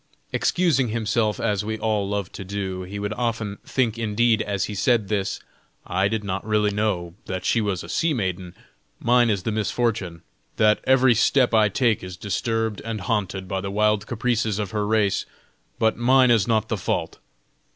Excusing himself as we all love to do, he would often think indeed as he said this: "I did not really know that she was a sea maiden, mine is the misfortune, that every step I take is disturbed and haunted by the wild caprices of her race, but mine is not the fault."